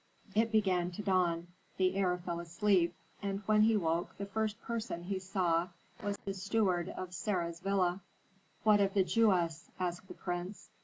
It began to dawn. The heir fell asleep, and when he woke the first person he saw was the steward of Sarah's villa. "What of the Jewess?" asked the prince.